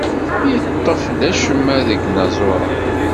Yeṭṭef-d acemma deg inaẓuren.